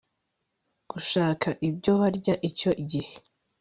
gushaka ibyo barya icyo gihe